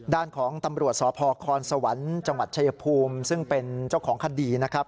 ด้านของตำรวจสพคสวรรค์จังหวัดชายภูมิซึ่งเป็นเจ้าของคดีนะครับ